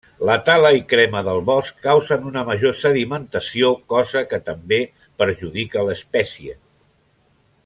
La tala i crema del bosc causen una major sedimentació, cosa que també perjudica l'espècie.